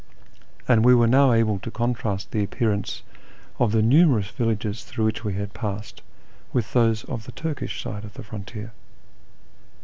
and we were now able to contrast the appearance of the numerous villages through which we passed with those on the Turkish side of the frontier.